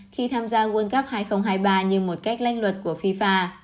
khi tham gia world cup hai nghìn hai mươi ba như một cách lách luật của fifa